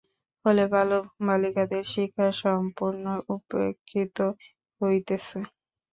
ফলে, বালক-বালিকাদের শিক্ষা সম্পূর্ণ উপেক্ষিত হইতেছে।